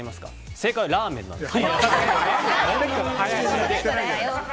正解はラーメンなんです。